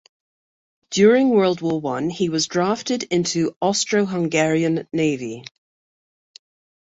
During World War One he was drafted into Austro-Hungarian Navy.